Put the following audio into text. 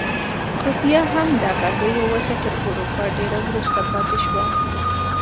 خو بیا هم دغه لویه وچه تر اروپا ډېره وروسته پاتې شوه.